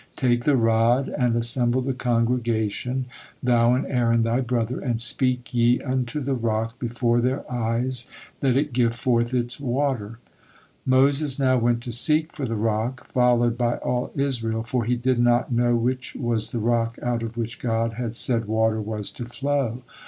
'Take the rod and assemble the congregation, thou and Aaron thy brother, and speak ye unto the rock before their eyes, that it give forth its water.'" Moses now went to seek for the rock, followed by all Israel, for he did not know which was the rock out of which God had said water was to flow.